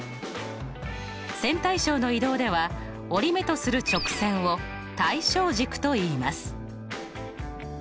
線対称の移動では折り目とする直線を対称軸といいます。